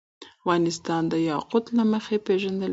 افغانستان د یاقوت له مخې پېژندل کېږي.